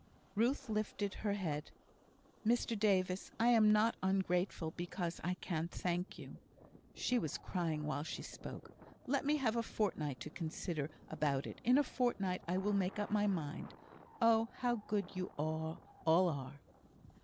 Ruth lifted up her head. "Mr Davis, I am not ungrateful because I can't thank you" (she was crying while she spoke); "let me have a fortnight to consider about it. In a fortnight I will make up my mind. Oh, how good you all are!"